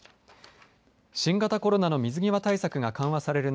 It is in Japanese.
新型コロナの水際対策が緩和される